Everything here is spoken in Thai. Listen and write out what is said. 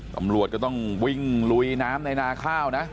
ตำรวจก็ต้องวิ่งลุยน้ำในนาข้าวนะ